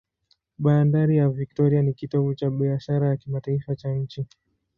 Bandari ya Victoria ni kitovu cha biashara ya kimataifa cha nchi.